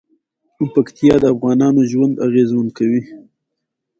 پکتیکا د افغانانو ژوند اغېزمن کوي.